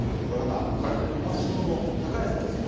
まずきのうの高安の相撲。